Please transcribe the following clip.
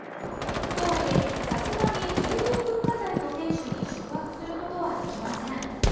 とはいえさすがに重要文化財の天守に宿泊することはできません。